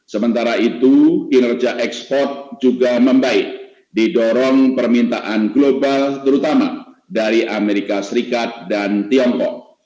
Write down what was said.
sementara itu kinerja ekspor juga membaik didorong permintaan global terutama dari amerika serikat dan tiongkok